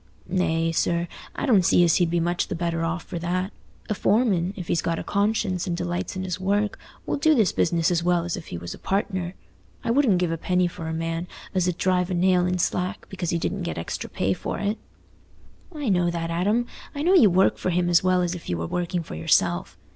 "Nay, sir, I don't see as he'd be much the better off for that. A foreman, if he's got a conscience and delights in his work, will do his business as well as if he was a partner. I wouldn't give a penny for a man as 'ud drive a nail in slack because he didn't get extra pay for it." "I know that, Adam; I know you work for him as well as if you were working for yourself.